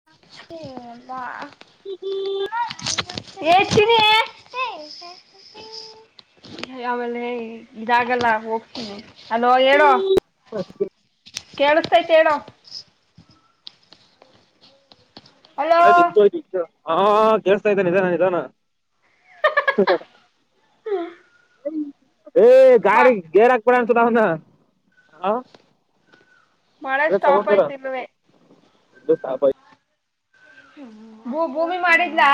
[inaudible] [inaudible] ಏ ಚಿನ್ನಿ ಆಮೇಲೆ ಇದಾಗಲ್ಲ ಹೋಗ್ತೀನಿ ಅಲೋ ಹೇಳೋ [inaudible] ಕೇಳಸ್ತೈತೆ ಹೇಳು ಅಲೋ [inaudible] ಹಾ ಕೇಳ್ಸ್ತಾ ಇದೆ ನಿದನ ನಿದನ [inaudible] ಏ ಗಾಡಿಗ್ ಗೇರ್ ಹಾಕ್ಬೇಡ ಅಂತನವ್ನು ಹಾ ಮಳೆ ಏನ್ ಸ್ಟಾಪ್ ಸಮಾಚಾರ ಆಯ್ತು ಇಲ್ವೇ [inaudible] ಭೂ ಭೂಮಿ ಮಾಡಿದ್ಲಾ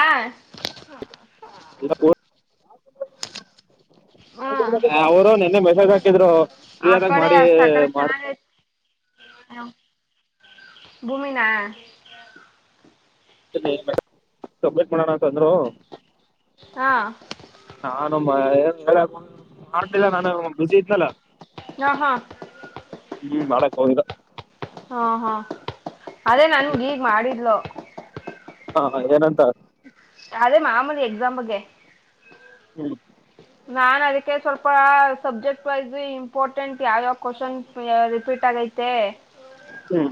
ಇಲ್ಲ ಹಾ [inaudible] ಅವರು ನಿನ್ನೆ ಮೆಸೇಜ್ ಹಾಕಿದ್ರು ಫ್ರೀ ಆ ಆದಾಗ ಮಾಡಿ ಮಾಡ ಹಲೋ ಭೂಮಿನಾ [inaudible] ಸಬ್ಮಿಟ್ ಮಾಡಣಂತಂದ್ರು ಹಾ ನಾನಮ್ಮ ಏನ್ ಹೇಳ [inaudible] ಮಾಡ್ತಿಲ್ಲ ನಾನು ಬಿಸಿ ಇದ್ನಲ್ಲ ಹಾ ಹಾ ಹ್ಮ್ ಮಾಡಕ್ ಹೋಗಿಲ್ಲ ಹಾ ಹಾ ಅದೇ ನನಗ್ ಹ್ಮ್ ಈಗ್ ಮಾಡಿದ್ಲು ಹಾ ಹ್ ಏನಂತಾಳ ಅದೇ ಮಾಮೂಲಿ ಎಕ್ಸಾಮಗೆ. [inaudible] ನಾನ್ ಅದಕ್ಕೆ ಸ್ವಲ್ಪ ಸಬ್ಜೆಕ್ಟ್ ವೈಸ್ ಇಂಪಾರ್ಟೆಂಟ್ ಯಾವ ಯಾವ ಕ್ವಶನ್ ರಿಪೀಟ್ ಆಗೈತಿ ಹೆ ಹ್ಞ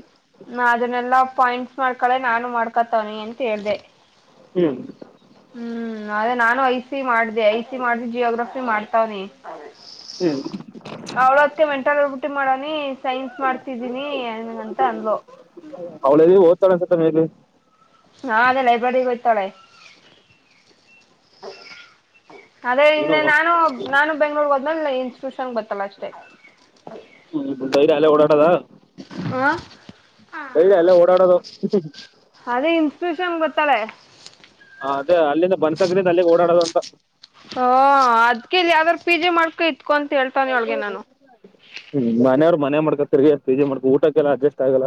ನಾ ಅದನ್ನೆಲ್ಲ ಪಾಯಿಂಟ್ಸ್ ಮಾಡ್ಕೊಳ್ಳೆ ನಾನು ಮಾಡ್ಕೊತವನಿ ಅಂತ ಹೇಳ್ದ. ಹ್ಮ್ ಹ್ಮ್ ಅದೇ ನಾನು ಐ ಸಿ ಮಾಡ್ದ ಐ ಸಿ ಮಾಡ್ದಿ ಜಿಯೋಗ್ರಫಿ ಮಾಡ್ತವನಿ ಹ್ಮ್ ಅವಳತ್ತೆ ಮೆಂಟಲ್ರ್ಬಿಟ್ಟಿ ಮಾಡನಿ ಸೈನ್ಸ್ ಮಾಡ್ತಿದ್ದೀನಿ ಅಂತ ಅಂದ್ಲು. ಅವಳ್ ಯಲ್ಲಿಗೆ ಓಗತಳ ಅಂತ ತಾನೆ ಇದು. ನಾ ಅದೇ ಲೈಬ್ರರಿ ಹೋಯ್ತಾಳೆ [inaudible] [inaudible] ಅದೇ ಏನು ಇನ್ನೆ ನಾನು ನಾನು ಬೆಂಗಳೂರ್ ಹೋದ್ಮೇಲೆ ಇನ್ ಟ್ಯೂಷನ್ ಬ ಗತ್ತಲ್ಲ ಅಷ್ಟೇ. ಹ್ಮ ಡೈರಿ ಅಲ್ಲೇ ಓಡಾಟದ. ಹಾ ಡೈಲಿ ಅಲ್ಲ ಓಡಾಡೋದು. ಅದೇ ಇನ್ಸ್ಟೂಷನ್ ಬತ್ತಾಳೆ. ಹ ಅದೇ ಅಲ್ಲಿಂದ ಬನ್ಸಕರಿದಿಂದ ಅಲ್ಲಿಗೆ ಓಡಾಡೋದು ಅಂತ ಹ ಅದ್ಕ ಇಲ್ಲಿ ಯಾವ್ದಾರೂ ಪಿಜೆ ಮಾಡ್ಕೊ ಇಟಗೋ ಅಂತ ಹೇಳಿ [inaudible] ಹ್ಮ್ ಮನೆಯವ್ರು ಮನೆ ಮಾಡ್ಕ ತಿರ್ಗಿ ಫಿಜಿ ಮಾಡ್ಕ ಊಟಕ್ಕೆಲ್ಲ ಅಡ್ಜಸ್ಟ್ ಆಗಲ್ಲ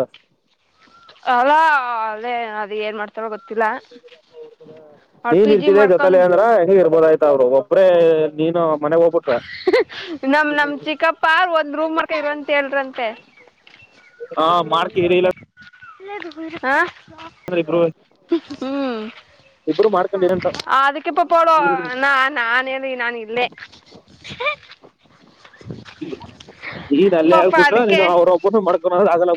ಅಲಾ ಅದೇ ಅದ ಏನ್ ಮಾಡ್ತಾರ ಗೊತ್ತಿಲ್ಲ? ಅವ್ಳ ನೀನ್ ಪಿ ಜಿ ಇರ್ತಿದ ಮಾಡ್ಕೊಂಡ್ ಜೊತಲೆ ಅಂದ್ರ ಹೆಂಗ ಇರ್ಬೋದ ಆಯ್ತ ಅವರು ಒಬ್ಬ್ರೇ ನೀನು? ಮನೆಗ್ ಹೋಗ್ಬಿಟ್ರ [unintelligible] ನಮ್ಮ ನಮ್ಮ ಚಿಕ್ಕಪ್ಪ ಒಂದ್ ರೂಮ್ ಮಾಡಕೊ ಇರಂತ ಹೇಳ್ರಂತೆ. ಹಾ ಮಾಡಾರ್ಕ ಇರ ಇಲ್ಲ. ಹ [unintelligible] ಹ್ಮ್ ಇಬ್ರು ಮಾಡ್ಕೊಂಡಿರಂತ [unintelligible] ಅದಕ್ಕ ಪಾ ಅವಳ ನಾ ನಾನ ಏನ್ ಇಲ್ಲೇ. [unintelligible] [unintelligible] ಈ ನಲ್ಲೇ ಪಾಪ ಹಗ್ಬಿಟ್ರ ಅದಕ್ಕೆ ನೀನು ಅವ್ರ ಒಬ್ಬನು ಮಡ್ಕ ಆಗಲ್ಲ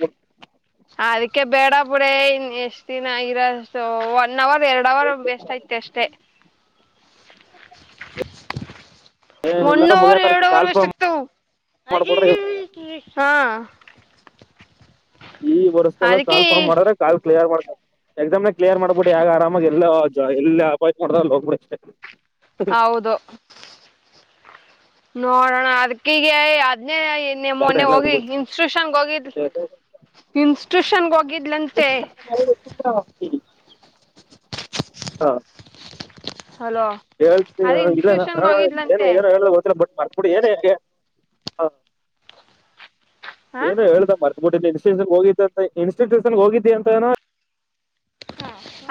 ಅದಕ್ಕೆ ಬೇಡ ಬುಡೇ ಇನ್ನಎಷ್ಟ ದಿನ ಇರದೊ ಒನ್ ಅವರ್ ಎರಡ್ ಅವರ್ ಬೆಸ್ಟ್ ಆಐತಿ ಅಷ್ಟೇ. ಬಿಡ್ತೇನಿಲ್ಲ ಮುನ್ನರ ಮುಗಿಯತರ ಎರಡು ಕಾಲ್ ವೆಸ್ಟ್ ಫಾರ್ಮ್ ಅಕ್ಕತ್ವಾ ಅಲಿ ಮಾಡ್ಬಿಡ್ರಿ ಅಲಿಲಿ [inaudible] ಹ ಈ ವರ್ಷದೊಳಗ ಅದಕ್ಕೆ ಕಾಲ್ಫ್ಮ್ ಮಾರಿದರ್ ಕಾಲ್ ಕ್ಲಿಯರ್ ಬರತಾವ ಎಕ್ಸಾಮ್ನಾಗ ಕ್ಲಿಯರ್ ಮಾಡ್ಬಿಡಿ ಯ ಆರಾಮಾಗಿ ಎಲ್ಲ ಎ ಅಪಾಯಟ್ ಮಾಡ ಹೋಗ್ಬಿಡಿ ಅಷ್ಟೆ. ಹೌದು [inaudible] ನೋಡೋಣ ಅದ್ಕೀಗ ಅದ್ನೇ ನಿನ್ ಅಷ್ಟೇ ಮೊನ್ನೆ ಎಲ್ಲ ಹೋಗಿ ಹೋಗ್ಬಿಡಿ ಇನ್ಸ್ಟಿಟ್ಯೂಷನ್ ಹೋಗಿದ್ ಇನ್ಸ್ಟಿಟ್ಯೂಷನ್ಗೆ ಹೋಗಿದ್ಲಂತೆ. ಅವಳ್ ಕೂಟ ಹೋಗತೀನಿ ಹಾ ಹಲೋ ಹೇಳ್ತಿ ಅದೇ ಇಲ್ಲ ಇನ್ಸ್ಟಿಟ್ಯೂಷನ್ಗೆ ಏನ ಹೋಗಿದ್ಲಂತೆ ಹೇಳ ಗೊತ್ತಿಲ್ಲ ಬಟ್ ಇ ಏನ ಯಾಕ ಹ [inaudible] ಹಾಂ ಏನು ಹೇಳ್ದ ಪಾ ಒಟ್ಟ ಇನ್ಟ್ಯೂನ್ ಹೋಗಿದ್ದ ಅಂತ ಇನ್ಸ್ಟ್ಯೂಷನ್ ಹೋಗಿದ್ದಿ ಅಂತಾನ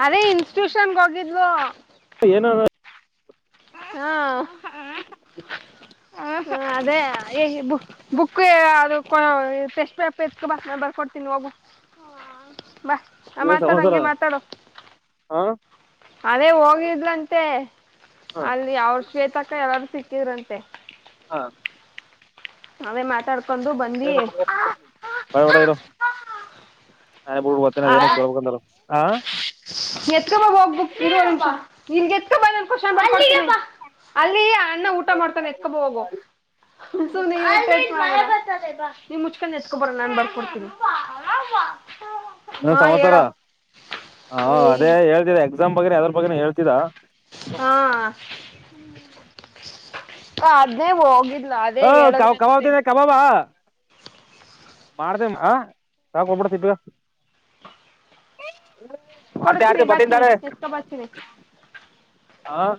ಅದೇ ಇನ್ಸ್ಟಿಟ್ಯೂಷನ್ಗೆ ಹೋಗಿದ್ವು. ಏನರ ಹಾ [inaudible] ಹ ಹ ಅದೇ ಬುಕ್ ಅದು ಟೆಸ್ಟ್ ಪೇಪರ್ ಬ ಬರ್ಕೊಡ್ತೀನಿ ಹೋಗ ಬಾ ಹಾ ಏನ್ ಮಾತಾಡ ಸಮಾಚಾರ ಹಂಗೆ ಮಾತಾಡ.. ಹಾ. ಅವೇ ಹೋಗಿದ್ರಂತೆ ಹಾ ಅಲ್ಲಿ ಅವ್ರ ಶ್ವೇತಕ್ಕ ಯ್ವಾಗ ಸಿಕ್ಕಿದ್ರಂತೆ. ಹಾ. ಅವೇ ಮಾತಡ್ [unintelligible] ಹಾ, ಎತ್ಕಬಾ ಹೋಗ್ಬುಕ್ [unintelligible] ಎತ್ಕಬಾ ನಾನ್ ಕ್ವೆಷನ್ ಬರ್ದ್ ಕೊಡ್ತೀನಿ. ಅಲ್ಲಿ ಆ ಅಣ್ಣ ಊಟ ಮಾಡ್ತಾನೆ ಎತ್ಕಬ ಹೋಗು. [unintelligible] ನೀ ಮುಚ್ಕೊಂಡ್ ಎತ್ಕೊಬರೊ ನಾನ್ ಬರ್ಕೊಡ್ತೀನಿ. ಏನ್ ಹಾ ಸಮಾಚಾರ ಹೇಳೋ ಹ ಏಯ್ ಅದೇ ಹೇಳ್ತಿದೆ ಎಕ್ಸಾಮ್ ಬಗ್ನ ಅದ್ರ ಬಗ್ನ ಹೇಳ್ತಿದ್ದ. ಹಾ ಅದ್ನೇ ಹೋಗಿದ್ಲ ಅದೇ ಹೊ ಕಾವು ಕಾವ್ ಹೇಳಿದ್ರಂತೆ [unintelligible] ಕಬಾಬ್ ಹಾ ಮಾಡ್ದೇ ಹ [unintelligible] ಕೊಡ್ತೀನಿ ಬಾತೀನಿ ಎತ್ಕೊ ಬಾತೀನಿ [unintelligible] ಹಾ,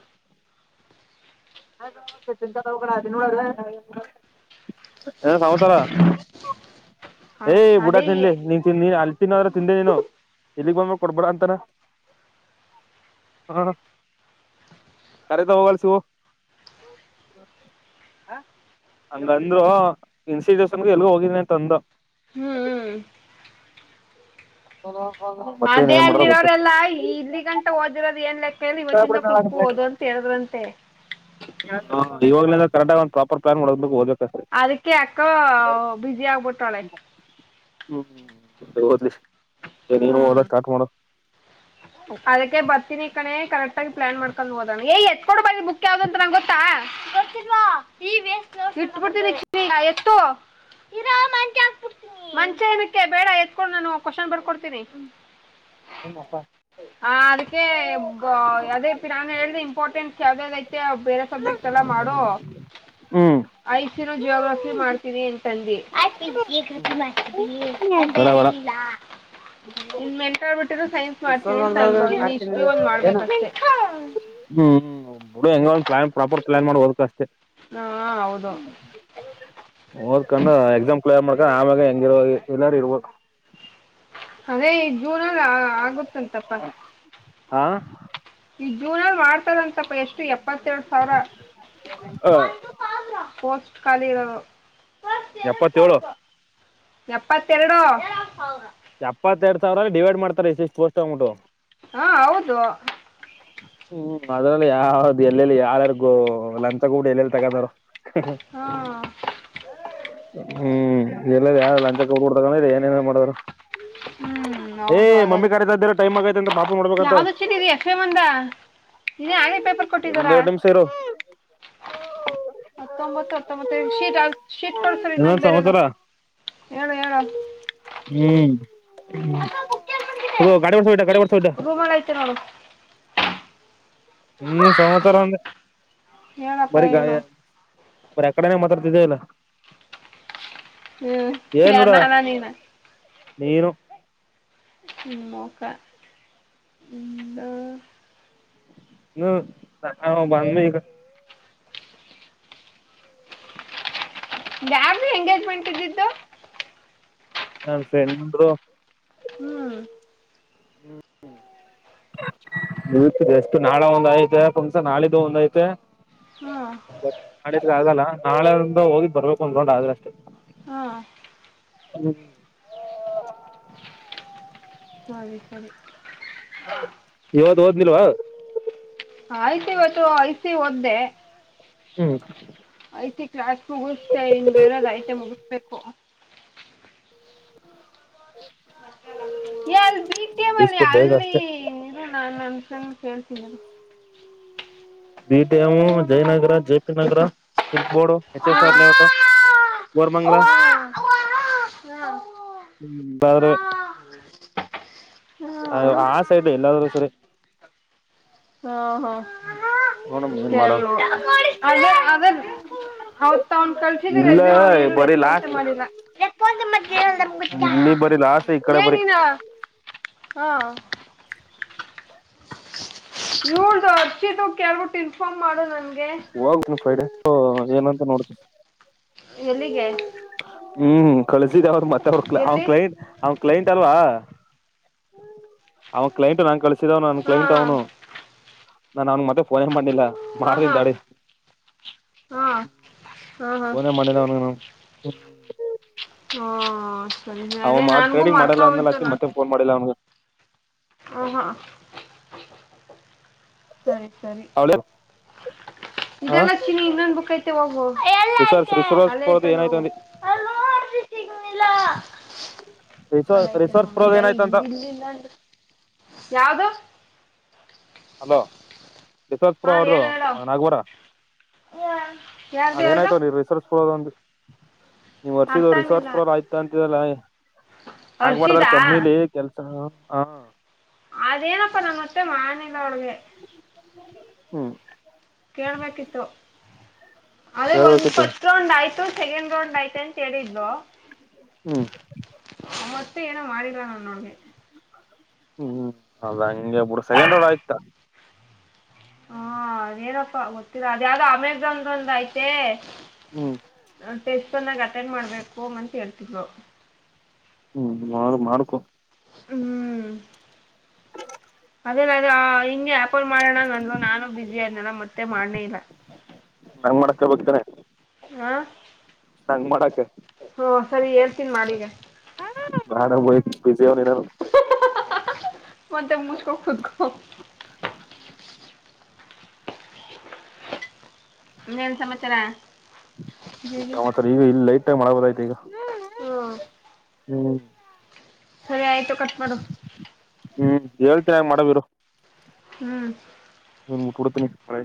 [unintelligible] ಹೇ ಸಮಾಚಾರ ಏಯ್ ಬುಡ ಅದೇ ತಿನ್ಲಿ. ನೀ ತಿನ್ ನೀ ಅಲ್ಲಿ ತಿನೋರು ತಿಂದೆ ನೀನು ಇಲ್ಲಿಗ್ ಬಂದ್ ಕೊಡ್ಬೇಡ ಅಂತಾರ್. ಹ್ಮ್ ಕಾಲೇಜದಗ್ ಹೋಗ್ಲ ಶಿವು [inaudible] ಹಂಗಂದ್ರು ಇನ್ಸ್ಟಿಟ್ಯೂಷನ್ಗೆ ಎಲ್ ಹೋಗಿದಿನಿ ಅಂತ ಅಂದ. ಹ್ಮ, ಹ್ಮ [inaudible] ಅದೇ ಮಾಡ್ರ ಗೊತ್ತ ಅಲ್ಲಿರೋರೆಲ್ಲಾ ಇಲ್ಲಿಗ ಟ್ ಓದಿರೋದು ಏನ್ ಲೆಕ್ಕ ಇಲಿ ಇವತ್ತಿಂದ ಕುತ್ಕು ಓದು ಅಂತ ಹೇಳಿದ್ರಂತೆ. ಹ ಇವಾಗಲಿಂದ ಕರೆಕ್ಟಗ್ ಒಂದ ಪ್ರಾಪರ್ ಪ್ಲಾನ್ ಮಾಡ್ಬೇಕ. [unintelligible] ಅದಕ್ಕೆ ಅಕೊ ಬ್ಯುಸಿ ಆಗ್ಬಿಟ್ಟಳೆ. ಹ್ಮ್ ಓದ್ಲಿ ನೀನು ಹ್ಮ್ ಓದ್ಕಕ ಸ್ಟಾರ್ಟ್ ಮಾಡ. ಅದಕ್ಕೆ ಬರ್ತಿನಿ ಕಣೆ ಕರೆಕ್ಟಾಗಿ ಪ್ಲಾನ್ ಮಾಡ್ಕೊಂದ ಓದೋಣ. ಯ ಎ ಕೊಡು ಬಾ ಬುಕ್ ಯಾವ್ದಂತ ನಂಗೊತ್ತಾ. ಇಟ್ಟ ಬಿಡ್ತಿನಿ ಚಿನ್ನಿ ಎಷ್ಟು. ಇರೋ ಮಂಚ ಹಾಕ್ ಬಿಡ್ತಿನಿ ಮಂಚ ಏನಕ್ಕೆ ಬೇಡ ಎತ್ಕೊಂಡು ನಾನು ಕ್ವಷ್ನ್ ಬರ್ಕೊಡ್ತೀನಿ. [inaudible] ಹ ಅದಕ್ಕೆ ಬ ಅದೇ [unintelligible] ನಾನೇ ಹೇಳ್ದ ಇಂಪಾರ್ಟೆನ್ಸ್ ಯಾವ್ದ್ ಯಾವ್ದ್ ಐ ತೇ ಬೇರೆ ಸಬ್ಜೆಕ್ಟ್ ಎಲ್ಲ ಮಾಡು. ಹ್ಮ್. ಐಶುನು ಜಿಯೋಗ್ರಫಿ ಮಾಡ್ತೀವಿ ಅಂತದಿ. ಬೇಡ ಬೇಡ [inaudible] ಇನ್ ಮೆಂಟಾಡ್ಬಿಟ್ಟಿದ್ರು ಸೈನ್ಸ್ ಮಾಡ್ತೀವಿ ಅಂತದ್ಲು. ಇನ್ ಹಿಸ್ಟರಿ ಒಂದ್ ಮಾಡ್ಬೇಕ ಹ್ಮ್ ಹ್ಮ ಬಿಡು ಎಂಗೋ ಒಂದ್ ಪ್ಲಾನ್ ಪ್ರಾಪರ್ ಪ್ಲಾನ್ ಮಾಡ್ ಓದ್ಕೋ. ಹಾ ಹೌದು. ಓದ್ಕೊಂದ ಎಕ್ಸಾಮ್ ಕ್ಲಿಯರ್ ಮಾಡಕ ಆಮ್ಯಾಗ ಹೆಂಗಿರಲ್ಲಾರ ಇರ್ಬೇಕ. ಅದೇ ಈ ಜೂನ ಅಲ್ಲಿ ಆ ಆಗುತ್ತ ಹಾ. ಈಗ್ ಜೂನ್ ಮಾರ್ಚ್ ಎಷ್ಟು ಏಪತ್ತು ಎರಡು ಸಾವಿರ ಖಾಲಿ ಇರೋದು ಎರಡು ಎಪ್ಪತ್ತೇಳು ಸಾವಿರ ಎಪ್ಪತ್ತೆರಡು ಎಪ್ಪತ್ತೆರಡು ಸಾವಿರಲ್ಲಿ ಡಿವೈಡ್ ಮಾಡ್ತಾರೆ ಇಷ್ಟು ಪೋಸ್ಟ್ ಅಂದ್ಬಿಟ್ಟು ಹಾ ಹೌದು ಹಾ [unintelligible] ಹ್ಮ್ ಅದ್ರಲ್ಲಿ ಯಾವ್ದು ಎಲ್ಲೆಲ್ಲಿ ಯಾರಾರ್ಗು ಲಂಚಕೊಟ್ಟಿ ಎಲ್ಲೆಲ್ಲಿ ತಗತರೋ ಹಾ ಹ್ಮ್ ಎಲ್ಲ ಲಂಚ ಕೋಟಿಬಿಟ್ಟು ತಗೊಲದು ಏನೇನ ಮಾಡಿದರು ಹ್ಮ್ ಹೌದು ಅದಂತೂ ಕರಿತಾ ನಿಜ ಇದ್ದೀರ ಟೈಮ್ ಆಗೈತೆ ಅಂತ ಪಾಪ ಮಾಡ್ಬೇಕಂತ ಯಾವ್ದು ಚೀನ್ನ ಎಫೆ ಒನ್ ದ ನೀ ಹಳಿ ಪೇಪರ್ ಒಂದ್ ಕೊಟ್ಟಿದ್ದೀಾರಾ ಎರಡು ನಿಮಿಷ ಇರು ಹತ್ತೊಂಬತ್ತು ಹತ್ತೊಂಬತ್ತ ಶೀಟಲ್ ಶೀಟ್ ಕೊಡ್ಸರಿ ಇನ್ನೊಂದ್ ಬೇರೆದು ಹೇಳ ಹೇಳ ಹ್ಮ್ ಹ್ಮ್ ಅದು ಗಾಡಿ ಮಾಡಡ್ಸ ಬಿಟ್ಟಾ ಗಾಡಿ ಮಾಡಡ್ಸ ಬಿಾ [unintelligible] ರೂಮ್ ಅಲ್ಲಯಿತೇ ನೋಡು ಹ್ಮ್ ಸಂವಸರ ಅಂದ ಹೇಳಪ್ಪ ಬರಿ ಗಾಯ ಹೇಳು ಬರಿ ಅ ಕಡೆನೆ ಮಾತಾಡತಾ ಇದಿ ಅಲಾ ಹ್ಮ್ ಏನ್ ಯಾರ್ ನೋಡ ನಾನಾ ನಿನ ನೀನು ಹ್ಮ್ ಓಕೆ ಒಂದು ಹ ಹಾ ಬ [unintelligible] ಯಾರದು ಎಂಗೇಜ್ಮೆಂಟ್ ಇದ್ದಿದ್ದು ನನ್ ಫ್ರೆಂಡ್ ದು ಹ್ಮ್ ಹ್ಮ್ಮ್ ಇ ಎಷ್ಟು ನಾಳೆ ಒಂದ್ ಐತೇ ಫುನ್ಕ್ಷನ್ ನಾಳಿದ್ದು ಒಂದ ಐತೇ ಹಾ ನಾಡಿದ್ ಆಗಲ್ಲ ನಾಳೆ ಒಂದು ಹೋಗೀ ಬರ್ಬೇಕು ಒಂದ್ರೌಂಡ್ ಆದ್ರೆ ಅಷ್ಟೆ ಹಾಹಾ ಹ್ಮ ಸರಿ ಸರಿ ಇವತ್ತು ಒದೀಲ್ವಾ ಆಯ್ತು ಇವತ್ತು ಐ. ಸಿ ಓದ್ದೆ ಹ್ಮ್ ಐ. ಸಿ ಕ್ಲಾಸ್ ಮುಗ್ಸಿದೀನಿ ಇನ್ ಬೇರದ ಐತೆ ಮುಗಿಸ್ಬೇಕು. ಹೇ ಅಲ್ಲಿ ಬಿ. ಟಿ. ಎಂಪಿ ಡಿಸ್ಕೋ ಬೇಗ ಅಷ್ಟೇ ಅಲ್ಲಿ ಇರು ನಾ ನನ್ನ ಫ್ರಂಡ್ನ ಕೇಳೀತೀನಿ ಇರು. B. T. M, Jayanagar, JP Nagar, silk board, H. ಹಾ ಎಸ್. ಆರ್. ಹಾ ಲೇಔಟ್ ಕೋರಮಂಗಲ ಹುಂ ಬೇರೇ ಆ ಸೈಡ್ಲಿ ಎಲ್ಲಾದ್ರು ಸುರಿ. ಹ ಹ ನೋಡಮ್ ಏನ್ ಕೇಳ್ ಮಾಡೋದು ನೋಡಿ ಅದ ಅದ ಅವತ್ ತ ಅವನ್ ಕಳ್ಸಿದ್ರ ಇಲ್ಲ ರೆಸ್ಯೂಮ್ ಅವ ಏನು ಬರೀ ರೆಸ್ಪಾನ್ಸ ಲಾಸ್ ಎ ಮಾಡಿಲ್ಲ ಇಲ್ಲಿ ಬರೀ ಲಾಸ್ ಈ [unintelligible] ಕಡೆ ಬರೀ ಏನಿನ ಹಾ ಇವ್ಳದು ಹರ್ಷಿದು ಕೇಳ್ಬಿಟ್ಟು ಇನ್ಫಾರ್ಮ್ ಮಾಡು ನನ್ಗೆ ಹೋಗ ನೀ ಫ್ರೈಡೇ ಏನಂತ ನೋಡ್ ಎಲ್ಲಿಗೇ. ಹ್ಮ್ ಕಳಸಿದ್ದ ಅವ್ರ್ ಮತ್ತೆ ಅವ್ರ ಅವ ಎಲ್ಲಿ ಕ್ಲೈಂಟ್ ಅವ್ ಕ್ಲೈಂಟ್ ಅಲ್ವಾ. ಅವ ಕ್ಲೈಂಟ್ ನಂಗ್ ಕಳಸಿದವ ನನ್ ಹಾ ಕ್ಲೈಂಟ್ ಅವ್ನು. ನಾನ್ ಅವ್ನ್ಗ್ ಮತ್ತೆ ಫೋನೇ ಮಾಡ್ಲಿಲ್ಲ ಹಾ ಹಾ ಮಾಡ್ತೀನ್ ತಡಿ. ಹಾ ಹಾ ಹಾ ಹಾ ಫೋನೇ ಮಾಡಿಲ್ಲ ಅವ್ನಿಗ್ ನಾವ್. ಹಾ ಸರಿ ಅವ ನೆನ್ನೇ ಮಾಡ ನನ್ಗೂ ಟ್ರೇಡಿಂಗ್ ಮಾಡಲ್ಲ ಅಂದಲ್ಲ ಮರ್ತೊಗಿತ್ತು ಅತಿ ನ. ಮತ್ತೆ ಫೋನ್ ಮಾಡಿಲ್ಲ ಅವಂಗ. ಹು ಹಾ. ಸರಿ ಸರಿ ಅವಳ ಇದೆಲ್ಲ ಚಿನ್ನಿ ಇನ್ನೊಂದ್ ಬುಕ್ ಐತ್ ಎತ್ತೆ ಹೋಗು ಎಲ್ ರಿಸರ್ಚ್ ಐತೆ ಅಲ್ಲೇ ರಿಸೋರ್ಸ್ ಇಟ್ಟನು ಹೋಗು. ಏನಾಯ್ತು ಅಲೋ ಅಜ್ಜಿ ಸಿಗ್ಲಿಲ್ಲಾ. ರಿಸೋ ಅಲೈತೆ ರಿಸೋರ್ಸ್ ನೋಡು ಪ್ರೋದ ಇದ ಇ ಏನಾಯ್ತಂತ ಇಲ್ಲಿಲ್ಲ ಅಂದ ಯಾವ್ದೋ. ಹಲೋ ಯಿಸ್ವತ್ಪುರ ಹಾ ಅವ್ರದು ಹೇಳು ಹೇಳು ನಗ್ವರ. ಯಾರ್ದು ಯಾರ್ದು ಅದೇನಾಯ್ತು ರಿಸಸ್ ಹೋಗೋನ್ರಿ. ನೀವ್ ವರ್ಷಿದ ಅರ್ಥ ರಿಸೋರ್ಚ್ ಆಗ್ಲಿಲ್ಲ ಪ್ರೊರ್ರ್ ಆಯ್ತ ಅಂತಲ್ಲ ನಾ ಆಗ್ಬಾರ್ದ ಹರ್ಷಿದಾ ಕಂಪ್ನಿಲಿ. ಕೆಲ್ಸ ಹ ಹ. ಅದೇನಪ್ಪ ನನ್ ಮತ್ತೆ ಮಾಡ್ಲಿಲ್ಲ ಅವ್ಳ್ಗೆ. ಹ್ಮ್ ಕೇಳ್ಬೇಕಿತ್ತು ಅದೇ ಒಂದ್ ಹೇಳ್ಬೇಕಿತ್ತು ಪಸ್ ಸ್ಟ್ ರೌಂಡ್ ಆಯ್ತು ಸೆಕೆಂಡ್ ರೌಂಡ್ ಆಯ್ತ ಅಂತ್ ಹೇಳಿದ್ಳು. ಹ್ಮ ಮತ್ತೆ ಏನೋ ಮಾಡಿಲ್ಲ ನಾನ್ ಅವ್ಳ್ಗೆ. ಹ್ಮ್ ಹ್ಮ್ ಅದ್ ಹಂಗೆ ಬುಡು ಸೆಕೆಂಡ್ ರೋಡ್ ಆಯ್ತಾ. ಹಾ ಅದೇನೊಪ್ಪ ಗೊತ್ತಿಲ್ಲ ಅದ್ ಯಾವ್ದೋ ಅಮೆಜಾನಂದ್ ಆಯ್ತೆ. ಹ್ಮ್ ಟೆಸ್ಟ್ ಒನ್ನಾಗ್ ಅಟೆಂಡ್ ಮಾಡ್ಬೇಕು ಅಂತ್ ಹೇಳ್ತಿದ್ಳು. ಹ್ಮ್ ಮಾಡ್ ಮಾಡ್ಕೊ. ಹ್ಮ್ ಅದೆಲೆಲೋ ಹಿಂಗೆ. ಪುಲ್ ಮಾಡೋಣ ನಂದು ನಾನು ಬಿಸಿ ಅದ್ನಲ್ಲ ಮತ್ತೆ ಮಾಡ್ನೇ ಇಲ್ಲ. ನಂಗ್ ಮಾಡಕ ಆ ಸಂಗ್ ಮಾಡಕ. ಹೊ ಸರಿ ಹೇಲ್ತಿನ್ ಮಾಡಿಗ. ನನನ ಬ್ಯಾಡ ಹೋತ್ ಬ್ಯುಸಿ ಅವ್ನಿ ನಾನು. ಹಃ ಹಃ ಹ ಮತ್ತೆ ಮುಚ್ಕೊ ಕುತ್ಕೋ. ಇನ್ನೇನ್ ಸಮಚಾರ. ಸಮಾಚಾರ ಈಗ ಇಲ್ಲಿ ಲೈಟಾಗ್ ಮಳೆ ಬತಾಯ್ತ್ ಈಗ. ಹ್ಮ ಹ್ಮ್ ರೆ ಆಯ್ತು ಕಟ್ ಮಾಡು. ಹ್ಮ್ ಹೇಳ್ತ್ಯ ಹಂಗ್ ಮಾಡು ಗುರು. ಹ್ಮ್ ಇಂಗ್ ಕುಡ್ತಿನಿ ಪ್ರೆ.